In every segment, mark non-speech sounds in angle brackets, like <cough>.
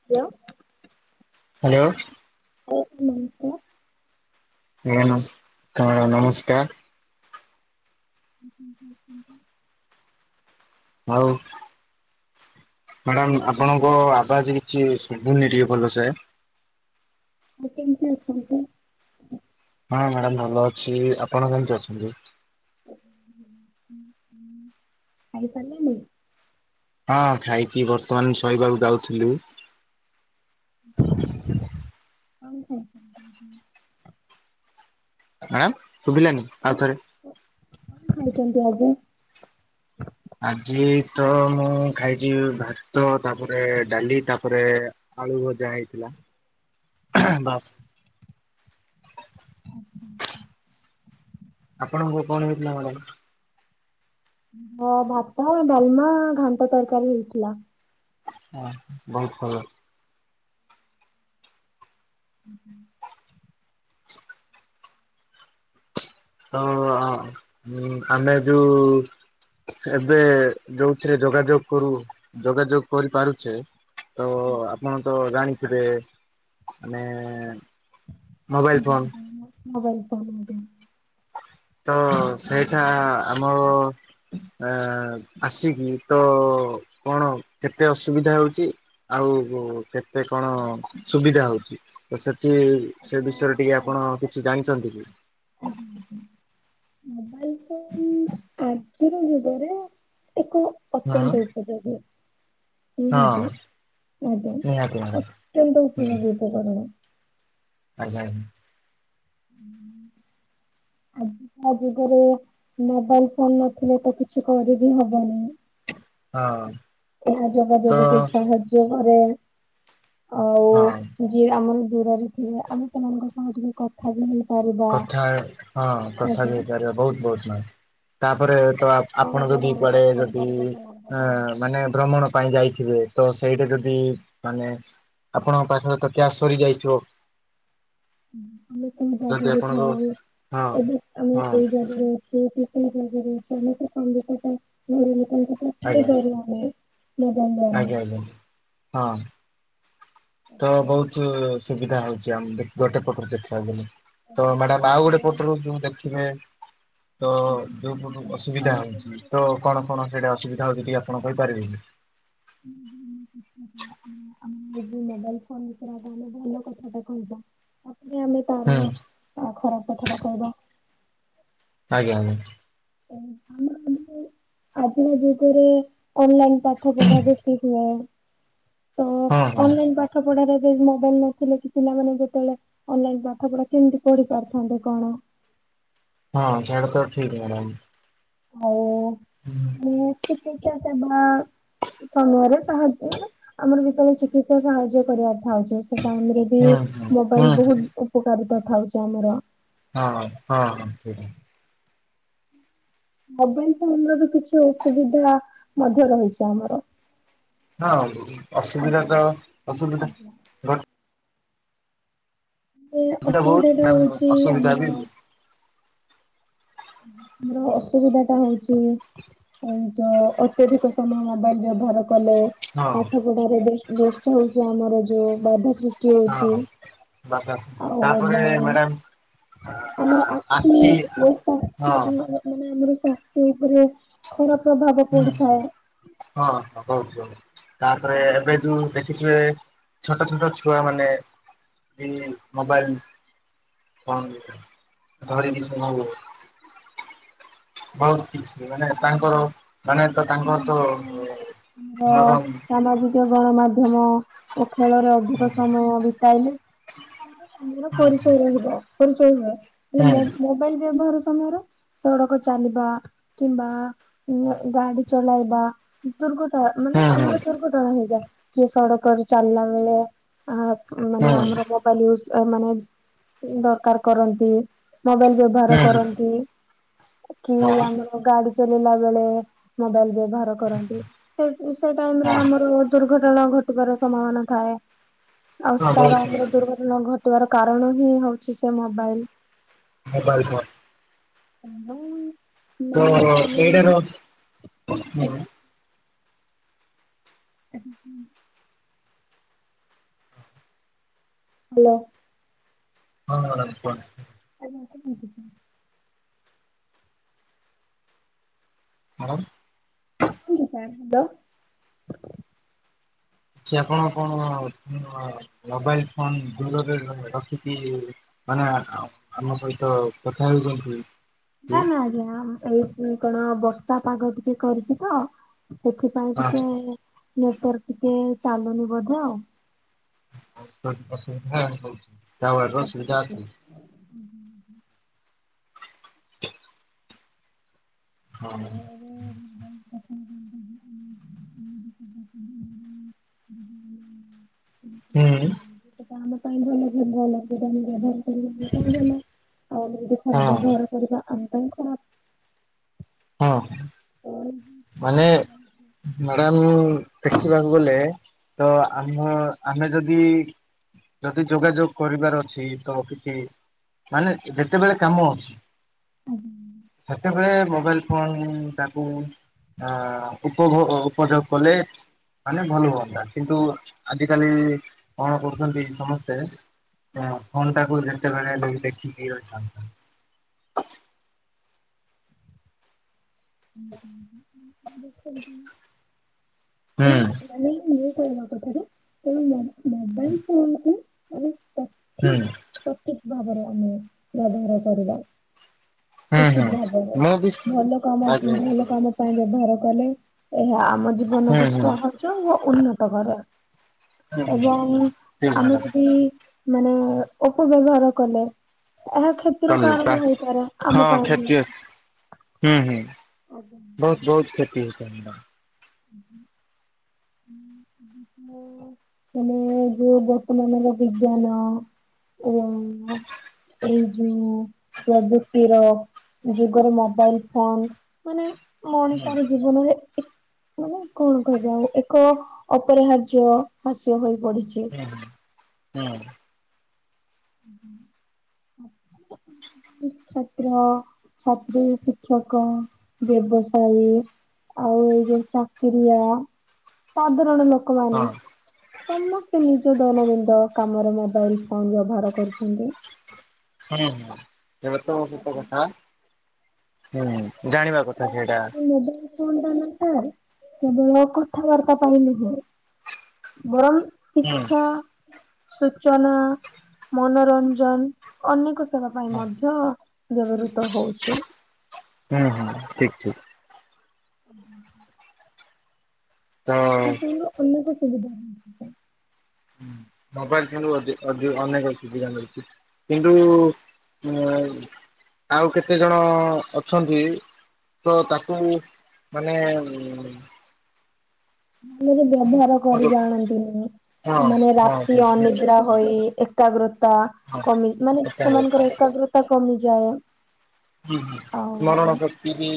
<unintelligible> Hello. <unintelligible> <unintelligible> ହଁ madam ନମସ୍କାର। ହୁଁ ହୁଁ ହୁଁ ହୁଁ ଆଉ। ମ୍ୟାଡ଼ାମ୍ ଆପଣଙ୍କ ଆବାଜ କିଛି ଶଭୁନି ଟିକେ ଭଲସେ। ଆଉ କେମିତି ଅଛନ୍ତି? ହଁ ମ୍ୟାଡ଼ାମ୍ ଭଲ ଅଛି ଆପଣ କେମିତି ଅଛନ୍ତି? ଖାଇସାରିଲେଣି? ହଁ ଖାଇକି ବର୍ତ୍ତମାନ ଶୋଇବାକୁ ଯାଉଥିଲୁ। <unintelligible> ଆଁ ଶୁଭିଲାନି ଆଉ ଥରେ। ଖାଇଚନ୍ତି ଆଜି। ଆଜି ତ ମୁଁ ଖାଇଛି ଭାତ ତାପରେ ଡାଲି ତାପରେ ଆଳୁ ଭଜା ହେଇଥିଲା ବାସ୍। ଆପଣଙ୍କୁ କଣ ହେଇଥିଲା ମ୍ୟାଡାମ୍? ହଁ ଭାତ, ଡାଲମା, ଘାଣ୍ଟ ତରକାରୀ ହେଇଥିଲା। ବହୁତ ଭଲ। <inaudible> ତ ଆ, ମୁଁ ଆମେ ଯୁ ଏବେ ଯୋଉଥିରେ ଯୋଗାଯୋଗ କରୁ, ଯୋଗାଯୋଗ କରିପାରୁଛେ ତ ଆପଣ ତ ଜାଣିଥିବେ, ମାନେ ମୋବାଇଲ୍ ଫୋନ୍। ହଁ ମୋବାଇଲ୍ ଫୋନ୍ <inaudible> ତ ସେଇଠା ଆମ ଆ, ଆସିକି ତ କଣ କେତେ ଅସୁବିଧା ହଉଚି? ଆଉ ଉ, କେତେ କଣ ସୁବିଧା ହଉଛି? ତ ସେଠି ସେ ଆଜ୍ଞା ବିଷୟରେ ଟିକେ ଆପଣ କିଛି ଆଜିକାଲି ଜାଣିଚନ୍ତି କି? ଆଜ୍ଞା <inaudible> ଆଜିର ଯୁଗରେ ଏକ ହଁ ଅତ୍ୟନ୍ତ ଉ ପଯୋଗ ନିହାତି ହଁ ଆଗ ନିହାତି ମ୍ୟାଡ଼ାମ ଅତ୍ୟନ୍ତ ହୁଁ ଉପକାରୀ। ସାଧାରଣ ଆଜ୍ଞା, ଆନ୍ <inaudible> ଆଜିକା ଯୁଗରେ ମୋବାଇଲ୍ ଫୋନ୍ ନଥିଲେ ତ କିଛି କରିବି ହବନି। ହଁ। ଏହା ତ ଯୋଗାଯୋଗକୁ ସାହାଯ୍ୟ କରେ, ଆଉ ହଁ <inaudible> ଯିଏ ଆମର ଦୂରରେ ଥିବା ଆମେ ସେମାନଙ୍କ ସହ ଟିକେ କ ଥା ବି ହେଇ ପାରିବ। କଥା ହଁ କଥା ବି ହେଇପାରିବ, ବହୁତ ବହୁତ ନ- ତାପରେ ତ ଆପଣ ସହଜରେ ଯଦି ଆମେ କୁଆଡେ କଥା ଯଦି ହେଇପାରିବା ସେମାନଙ୍କ ସହ ଏଁ, ମାନେ ଭ୍ରମଣ ପାଇଁ ଯାଇଥିବେ ତ ସେଇଠି ଯଦି ମାନେ ଆପଣଙ୍କ ପାଖରେ ତ କ୍ୟାସ୍ ସରି ଯାଇଥିବ। <unintelligible> ଯେକୌଣସି ଯଦି ଜାଗାରେ ଆପଣଙ୍କ ଥାଉ ହେଲେ, ହଁ ଏବେ ଆମେ ହଁ ଏଇ ଜାଗାରେ ସେଇଥିପାଇଁ <unintelligible> କଥା ହେଇ ଆଜ୍ଞା ପାରୁନଥାଏ। ଜାଗାର ନା ଆଜ୍ଞା, ଆଜ୍ଞା ହଁ। ତ ବହୁତୁ ସୁବିଧା ହଉଛି ଆମ୍ ଦେ-ଗୋଟେ ପଟରୁ ଦେଖିବାକୁ ଗଲେ। ତ ମ୍ୟାଡାମ୍ ଆଉ ଗୋଟେ ଆଜ୍ଞା। ପଟରୁ ଯୁ ଦେଖିବେ। ତ ଯୋଉ ପଟରୁ ଆଉ ଅସୁବିଧା ଏବେ ହଉଛି ତ ଦେଖନ୍ତୁ କଣ କଣ ସେଇଟା ଅସୁବିଧା ହଉଛି ଟିକେ ଆପଣ କହିପାରିବେ କି? <inaudible> <unintelligible> ଆମେ ଯଦି ମୋବାଇଲ୍ ଫୋନ୍ ବିଷୟରେ ଆପଣ ମାନେ ଭଲ କଥାଟା କହିବା, ତାପରେ ଆମେ ହୁଁ। ଆଉ ଖରାପ କଥା ଟା କହିବ। ଆଜ୍ଞା, ଆଜ୍ଞା। <inaudible> ଆଜିକା ଯୁଗରେ ଅନଲାଇନ୍ ପାଠ ପଢା ବେଶୀ ହୁଏ। ତ ହଁ ହଁ ଅନଲାଇନ୍ ପାଠ ପଢାରେ ଏବେ ମୋବାଇଲ୍ ନଥିଲେ କି ପିଲାମାନେ ଯେତେବେଳେ ଅନଲାଇନ୍ ପାଠ ପଢା କେମିତି ପଢି ପାରୁିଥାନ୍ତେ କଣ? ହଁ ସେଟା ତ ଠିକ ମ୍ୟାଡାମ୍। ଆଉ <unintelligible> ନେ ସାଙ୍ଗରେ ସାହା, ମାନେ ଆମର ଭିତରେ ଚିକିତ୍ସା ସାହାଯ୍ୟ କରିବାର ଥାଉଚି। ସେ ଟାଇମ୍ ରେ ବି ହୁଁ ହୁଁ ହୁଁ ମୋବାଇଲ୍ ହୁଁ ବହୁତ ଉପକାରିତା ଥାଉଚି ଆମର। ହଁ ହଁ ସେଇଟା। ମୋବାଇଲ ଫୋନ ର ବି କିଛି ଅସୁବିଧା ମଧ୍ୟ ରହିଚି ଆମର। ହଁ ଅସୁବିଧା ଆଜ୍ଞା ତ ଅସୁବିଧା। ଆଜ୍ଞା। ମାନେ ଘଟିଲା ବହୁତ ଅସୁବିଧାଟା ମ୍ୟାମ ହୋଉଚି ଅସୁବିଧା ବି ଆମର ମୋର ଅସୁବିଧା ଟା ହୋଉଚି <unintelligible> ଅତ୍ୟଧିକ ସମୟ ମୋବାଇଲ ବ୍ୟବହାର କଲେ। ହଁ ପାଠ ପଢାରେ ବେଷ୍ଟ୍ ବେଷ୍ଟ୍ ହୋଉଚି ଆମର ଯୋଉ ବାଧା ସୃଷ୍ଟି ହୋଉଚି। ହଁ ବାପା ଆଉ ତାପରେ ବ୍ୟବହାରରେ ମ୍ୟାଡାମ ଆମର ଆଖି <unintelligible> ହୁଁ ମାନେ ଆମର ସ୍ଵାସ୍ଥ୍ୟ ଉପରେ ଖରାପ ପ୍ରଭାବ ପଡିଥାଏ। ହଁ ହଁ <unintelligible> ତାପରେ ଏବେ ଯୋଉ ଦେଖିଥିବେ ଛୋଟ ଛୋଟ ଛୁଆ ମାନେ ଇ ମୋବାଇଲ୍ <unintelligible> ଧରିକି <unintelligible> ବୋହୁତ କିଛି ମାନେ ତାଙ୍କର ମାନେ ତ ତାଙ୍କର ତ ସାମାଜିକ ଆମର ନରମ ସାମାଜିକ ଗଣମାଧ୍ୟମ ଓ ଖେଳରେ ହୁଁ ଅଧିକ ସମୟ ବିତାଇଲେ। <unintelligible> ସ୍ୱାମୀର ହୁଁ ପରିଚୟ ରହିବ। ପରିଚୟ ହୁଏ। ହୁଁ ହେଲେ ହୁଁ ମୋ-ମୋ ମୋବାଇଲ ବ୍ୟବହାର ସମୟରେ ସଡ଼କ ଚାଲିବା କିମ୍ବା ଉଁ ଗାଡି ଚଲାଇବା। ଦୁର୍ଘଟଣା ମାନେ ହୁଁ ଆମର ଦୁର୍ଘଟଣା ହେଇଯାଏ। କିଏ ସଡକରେ ଚାଲିଲା ବେଳେ ଆ ମାନେ ହୁଁ ଆମର ହୁଁ ମୋ <unintelligible> ମାନେ ଦରକାର୍ କରନ୍ତି ମୋବଇଲ୍ ବ୍ୟହାର କରନ୍ତି କି ହଁ ହଁ ଆମର ଗାଡି ଚଲେଇଲା ବେଳେ ମୋବାଇଲ ବ୍ୟବହାର କରନ୍ତି। ସେ ସେ ଟାଇମରେ ହଁ ଆମର ଦୁର୍ଘଟଣା ଘଟିବାର ସମ୍ଭାବନା ଥାଏ। ଅସ୍ଥାର ବହୁତ ଆମର ଦୁର୍ଘ ଘଟିବାର କାରଣ ହିଁ ହୋଉଚି ସେ ମୋବାଇଲ୍। Mobile phone. <unintelligible> ଓ ମାନେ ହୋ ଆମେ ଏଇଟାର ହୁଁ। <unintelligible> ହାଲୋ। ହଁ ହଁ ମ୍ୟାଡ଼ାମ୍ କୁହନ୍ତୁ? ଆଜ୍ଞ <unintelligible> କଛି ମାଡ଼ାମ୍। କିସ ସାର୍ ହାଲୋ। ଚ୍ୟା ଆପଣ କଣ ମୋବାଇଲ ଫୋନ ଦୂରରେ ର-ରଖିକି ମାନେ ଆ-ଆ-ଆମ ସହିତ କଥା ହେଉଛନ୍ତି। କି ନା ନା ଆଜ୍ଞା ଏଇଠି କଣ ବର୍ଷା ପାଗ ଟିକେ କରିଚି ତ। ସେଥିପାଇଁ ଆ ଟିକେ ନେଟୱାର୍କ ଟିକେ ଚାଲୁନି ବୋଧେ ଆଉ। ହ ଅସୁବିଧା ହୋଉଛି। ଆଜ୍ଞା ଆଜ୍ଞା। ହଁ। ମୁଁ ଏବେ ହୁଁ। ଆମ ପାଇଁ ଭଲ ଭଲ ସେଟମେ ବ୍ୟବହାର କରୁ ଆମ ଭଲ ଆଉ ଏମିତି ହଁ ଖରାପ ବ୍ୟବହାର କରିବା ଆମ ପାଇଁ ଖରାପ୍। ହଁ ତେଣୁ ମାନେ ମ୍ୟାଡ଼ାମ ଦେଖିବାକୁ ଗଲେ ତ ଆମ ଆମେ ଯଦି ଯଦି ଯୋଗାଯୋଗ କରିବାର ଅଛି ତ କିଛି ମାନେ ଯେତେବେଳେ କାମ ଅଛି ସେତେବେଳେ ମୋବାଇଲ କଣ ତାକୁ ଅଁ ଉପଭୋଗ ଉପଯୋଗ କଲେ ମାନେ ଭଲ ହୁଅନ୍ତା କିନ୍ତୁ ଆଜିକାଲି କଣ କରୁଚନ୍ତି ସମସ୍ତେ ତ ଫୋନଟାକୁ ଯେତେବେଳେ ଯାଇ ଦେଖିକି ରହିଥାନ୍ତୁ। <unintelligible> ହୁଁ ମାନେ ଇଏ <unintelligible> କଥାଟା ତେଣୁ ମୋ ମୋବାଇଲ ଫୋନକୁ ମାନେ ତା ହୁଁ। ସଠିକ ଭାବରେ ଆମେ ବ୍ୟବହାର କରିବା। ହୁଁ ହୁଁ ଉଚିତ ଭାବରେ ମୁଁ ବି ଭଲ କାମ ଆଜ୍ଞା ଆଜ୍ଞା ଭଲ ହୁଁ କାମ ପାଇଁ ବ୍ୟବହାର କଲେ ଏହା ଆମ ଜୀବନକୁ ହୁଁ ସହଜ ଓ ଉନ୍ନତ କରେ। ହୁଁ ଏବଂ ଠିକ ଆମେ ମ୍ୟାଡ଼ାମ ଯଦି ମାନେ ଅପବ୍ୟବହାର କଲେ ଏହା କ୍ଷତିର କଲି ତା କାରଣ ହେଇପାରେ। ଆମ ହଁ ପାଇଁ ହିଁ। କ୍ଷତି ହୁଁ ହୁଁ ଆଜ୍ଞା। ବୋହୁତ ବୋହୁତ କ୍ଷତି ହୋଉଚି ଆମର। ହ ହ ମାନେ ଯୋଉ ବର୍ତ୍ତମାନର ବିଜ୍ଞାନ ଏବଂ ଏଇ ଯୋଉ ପ୍ରଯକ୍ତିର ଯୁଗରେ ମୋବାଇଲ ଫୋନ ମାନେ ମଣିଷର ହୁଁ ଜୀବନରେ ଏ ମାନେ କଣ କହିବା ଆଉ ଏକ ଅପରିହାର୍ଯ୍ୟ ହାସ୍ୟ ହୋଇ ପଡିଚି। ହୁଁ ହୁଁ। ହୁଁ ହଁ। ଛାତ୍ର, ଛାତ୍ରୀ, ଶିକ୍ଷକ, ବ୍ୟବସାୟୀ ଆଉ ଏଇ ଯୋଉ ଚାକିରିଆ ସାଧାରଣ ଲୋ ହଁ ଲୋକମାନେ ସମସ୍ତେ ନିଜର ଦୈନନ୍ଦନ୍ଦ କାମରେ ମୋବାଇଲ ଫୋନ ବ୍ୟବହାର କରୁଛନ୍ତି। ହୁଁ ହୁଁ ଏଟା ତ ଗୋଟେ କଥା ହୁଁ ଜାଣିବା କଥା ସେଇଟା। ଆଉ ମୋବାଇଲ ଫୋନଟା ନା ସାର କେବଳ କଥାବାର୍ତ୍ତା ପାଇଁ ନୁହେଁ ବରଂ ହୁଁ ଶିକ୍ଷା, ସୂଚନା, ମନୋରଞ୍ଜନ ଅନେକ ସେବା ପାଇଁ ହୁଁ ମଧ୍ୟ ବ୍ୟବହୃତ ହୋଉଚି। ହୁଁ ହୁଁ ଠିକ ଠିକ। <unintelligible> ତ <unintelligible> ଅନେକ ସୁବିଧା‌ ରହିଚି। ହୁଁ ମୋବାଇଲ କିନ୍ତୁ ଅଧି ଅଧିକ ଅନେକ ସୁବିଧା ମିଳୁଛି କିନ୍ତୁ ଉ ଆଉ କେତେ ଜଣ ଅଛନ୍ତି ତ ତାକୁ ମାନେ ଉଁ ମାନେ ବ୍ୟବହାର କରି ହଁ ଜାଣନ୍ତିନି ମାନେ ହଁ ରାତି ଠିକ ଅନିଦ୍ରା ହୋଇ ଏ ଏକାଗ୍ରତା ହଁ। କମି ମାନେ ଏକା କଥା ସେମାନଙ୍କର ଏକାଗ୍ରତା କମିଯାଏ। ହୁଁ ହୁଁ ଆଉ ସ୍ମରଣ ଶକ୍ତି ବି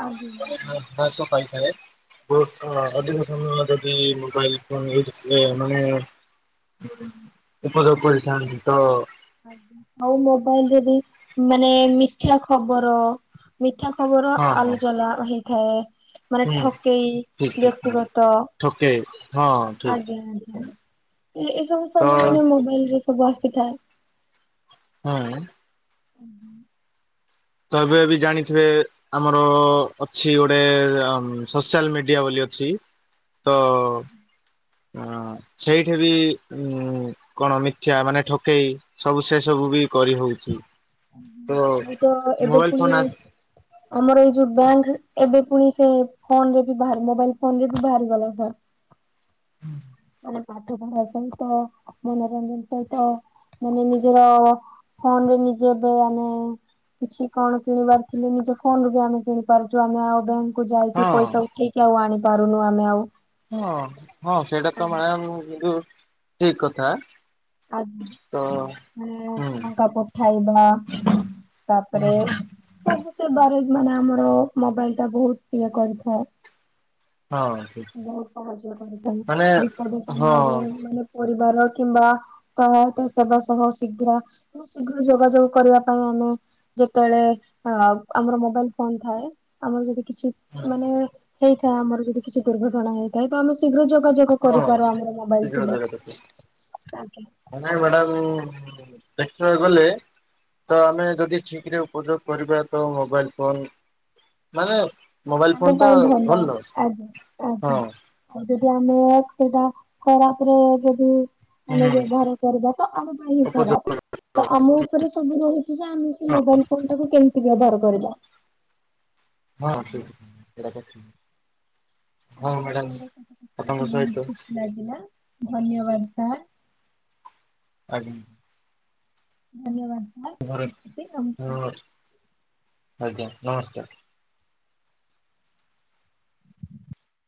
ହ୍ରାସ ପାଇଥାଏ। ବୋହୁତ ଅଧିକ ସମୟ ଯଦି ମୋବାଇଲ ଫୋନ୍ ୟୁଜ କଲେ ମାନେ ଉପଯୋଗ କରିଥାନ୍ତି ତ ଆଜ୍ଞା ଆଉ ମୋବାଇଲ ଯଦି ମାନେ ମିଥ୍ୟା ଖବର ମିଠା ଖବର ହଁ ହଁ ଆଲୋଚନା ହେଇଥାଏ। ମାନେ ହୁଁ ଠକେଇ ଠିକ ଠିକ ହଁ ବ୍ୟକ୍ତିଗତ ଠକେ ହଁ ଆଜ୍ଞା ଠିକ। ଆଜ୍ଞା ଏ ସବୁ ତ ସବୁ ମାନେ ମୋବାଇଲ ରେ ସବୁ ଆସିଥାଏ। ହୁଁ। ହୁଁଁ। ତ ଏବେ ଏବେ ଜାଣିଥିବେ ଆମର ଅଛି ଗୋଟେ ସୋସିଆଲ ମିଡିଆ ବୋଲି ଅଛି। ତ ଅଁ ସେଇଠି ବି ଉ କଣ ମିଥ୍ୟା ମାନେ ଠକେଇ ସବୁ ସେ ସବୁ ବି କରି ହଉଛି। ତ ଆଉ ତ ଏବେ ମୋବାଇଲ ଫୋନ ପୁଣି ଆସ ଆମର ଏଇ ଯୋଉ ବ୍ୟାଙ୍କ ଏବେ ପୁଣି ସେ ଫୋନ ରେ ବି ବାହାର ମୋବାଇଲ ଫୋନ ରେ ବି ବାହାରି ଗଲା। ମାନେ ପାଠ ପଢ଼ା ସହିତ ମନୋରଞ୍ଜନ ସହିତ ମାନେ ନିଜର ଫୋନ ରେ ନିଜେ ଏବେ ଆମେ କିଛି କଣ କିଣିବାର ଥିଲେ ନିଜ ଫୋନ ବି ଆମେ କିଣି ପାରୁଛୁ ଆମେ ଆଉ ବ୍ୟାଙ୍କ କୁ ଯାଇକି ହଁ ପଇସା ଉଠେଇକି ଆଉ ଆଣି ପାରୁନୁ ଆମେ ଆଉ। ହଁ ହଁ ସେଇଟା ତ ଆଜ୍ଞା ମ୍ୟାଡାମ କିନ୍ତୁ ଠିକ କଥା। ଆଜ୍ଞା ତ ମାନେ ଟଙ୍କା ପଠାଇବା। ତାପରେ ହୁଁ ସବୁ ସେବାରେ ମାନେ ଆମର ମୋବାଇଲ ଟା ବହୁତ ଇଏ କରିଥାଏ। ହଁ ଠିକ ବହୁତ ସାହାଜ କରିଥାଏ, ମାନେ ବିପଦ ସମୟରେ ହଁ ମାନେ ପରିବାର କିମ୍ବା ସହାୟତା ସେବା ସହ ଶୀଘ୍ର ବହୁତ ଶୀଘ୍ର ଯୋଗାଯୋଗ କରିବା ପାଇଁ ଆମେ ଯେତେବେଳେ ଆମର ମୋବାଇଲ ଫୋନ ଥାଏ ଆମର ଯଦି ମାନେ ହେଇଥାଏ ଆମର ଯଦି କିଛି ଦୁର୍ଘଟଣା ହେଇଥାଏ ତ ଆମେ ଶୀଘ୍ର ଯୋଗାଯୋଗ ହଁ କରିପାରୁ ଆମର ମୋବାଇଲ ଶୀଘ୍ର ଥିଲେ, ଜାଗା ଦେଖ ଆଜ୍ଞା। ନାଇଁ ମ୍ୟାଡ଼ାମ ଦେଖିବାକୁ ଗଲେ ତ ଆମେ ଯଦି ଠିକ ରେ ଉପଯୋଗ କରିବା ତ ମୋବାଇଲ ଫୋନ ମାନେ ମୋବାଇଲ ଫୋନ ଆମ ଟା ପାଇଁ ଭଲ ଆଜ୍ଞା ଆଜ୍ଞା। ହଁ ଆଉ ଯଦି ଆମେ ସେଇଟା ଖରାପ ରେ ଯଦି ଆମେ ହୁଁ ବ୍ୟବହାର କରିବା ତ ଆମ ପାଇଁ ହି ଉପଯୋଗ ଖରାପ। ତ କରିବା ଆମ ଉପରେ ସବୁ ରହିଛି ଯେ ଆମେ ସେ ହଁ ମୋବାଇଲ ଫୋନ ଟାକୁ କେମିତି ବ୍ୟବହାର କରିବା। <inaudible> ହଁ ସେ ସେଟା କରିଚି। ଆଜ୍ଞା ଆପଣଙ୍କ ଆପଣଙ୍କ ସହିତ ଖୁସି ଲାଗିଲା ଧନ୍ୟବାଦ ସାର୍। ଆଜ୍ଞା। ଧନ୍ୟବାଦ। ସାର୍ ହଁ ରଖୁଛି ନମସ୍କାର। ହଁ ଆଜ୍ଞା ନମସ୍କାର।